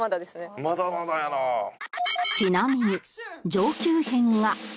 ちなみに上級編が